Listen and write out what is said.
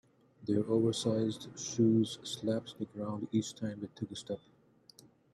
Their oversized shoes slapped the ground each time they took a step.